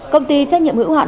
công ty trách nhiệm hữu hạn